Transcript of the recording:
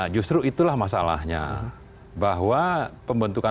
justru itulah masalahnya